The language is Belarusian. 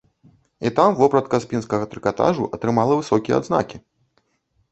І там вопратка з пінскага трыкатажу атрымала высокія адзнакі.